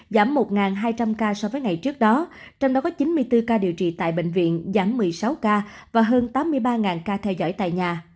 giảm một hai trăm linh ca so với ngày trước đó trong đó có chín mươi bốn ca điều trị tại bệnh viện giảm một mươi sáu ca và hơn tám mươi ba ca theo dõi tại nhà